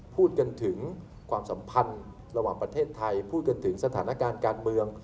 พูดกันถึงความสัมพันธ์ระหว่างประเทศไทยพูดกันถึงสถานการณ์การเมือง